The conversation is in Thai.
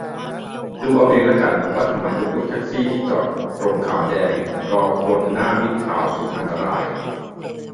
ดูเอาเองละกัน ที่ว่าทำไมตุ๊กตุ๊ก แท็กซี่ ที่จอดตรงขาว-แดง รอคนหน้ามิตรทาวน์ถึงอันตราย